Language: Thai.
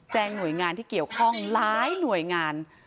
หน่วยงานที่เกี่ยวข้องหลายหน่วยงาน